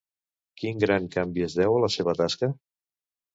Quin gran canvi es deu a la seva tasca?